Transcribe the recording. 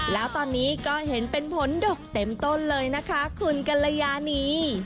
แล้วตอนนี้ก็เห็นเป็นผลดกเต็มต้นเลยนะคะคุณกัลยานี